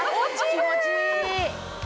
気持ちいい！